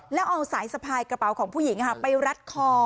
แล้วเอาสายสะพายกระเป๋าของผู้หญิงไปรัดคอ